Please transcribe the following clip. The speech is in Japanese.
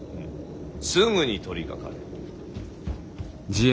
すぐに取りかかれ。